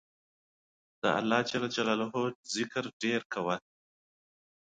د الله ذکر ډیر کوه